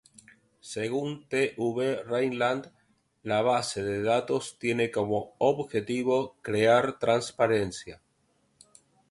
Según TÜV Rheinland, la base de datos tiene como objetivo crear transparencia.